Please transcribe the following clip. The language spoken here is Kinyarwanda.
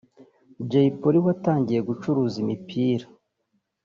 Jay Polly watangiye gucuruza imipira